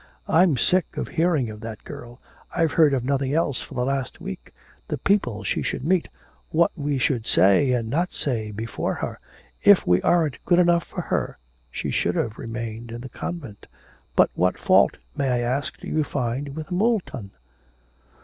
I'm sick of hearing of that girl. I've heard of nothing else for the last week the people she should meet what we should say and not say before her. If we aren't good enough for her she should have remained in the convent. But what fault, may I ask, do you find with Moulton?'